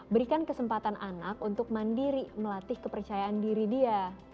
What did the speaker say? berikan kesempatan anak untuk mandiri melatih kepercayaan diri dia